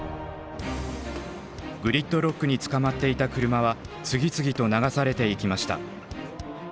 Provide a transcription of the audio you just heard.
グリッドロックに捕まっていた車は次々と流されていきました。